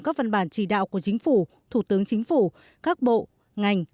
các văn bản chỉ đạo của chính phủ thủ tướng chính phủ các bộ ngành